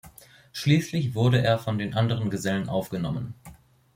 Schließlich wurde er von den anderen Gesellen aufgenommen.